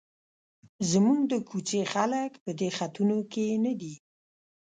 زموږ د کوڅې خلک په دې خطونو کې نه دي.